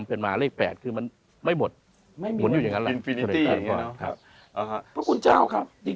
เคยมีเนรสื่อสารกับพญานาคทั้ง๗